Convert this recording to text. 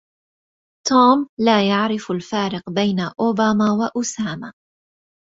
توم لا يعرف الفارق بين اوباما واسامة